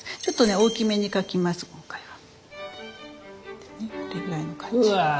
ちょっとね大きめに描きます今回は。